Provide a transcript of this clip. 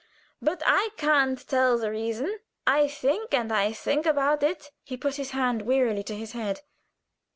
But I can't tell the reason. I think and think about it." He put his hand wearily to his head.